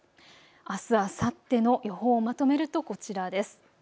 あす、あさっての予報をまとめるとこちらです。